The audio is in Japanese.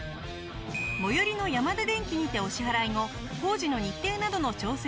最寄りのヤマダデンキにてお支払い後工事の日程などの調整を致します。